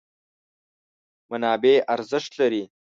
منابع ارزښت لري.